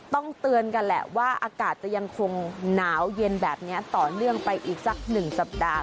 ต้องเตือนกันแหละว่าอากาศจะยังคงหนาวเย็นแบบนี้ต่อเนื่องไปอีกสักหนึ่งสัปดาห์